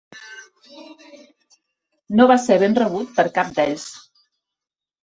No va ser ben rebut per cap d'ells.